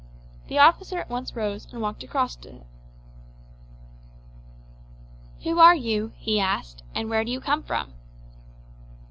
The officer at once rose and walked across to him. "Who are you?" he asked; "and where do you come from?"